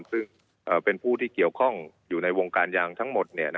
ซึ่งเป็นผู้ที่เกี่ยวข้องอยู่ในวงการยางทั้งหมด